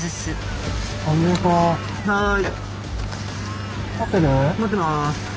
はい。